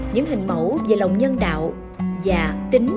những hình mẫu về tình hình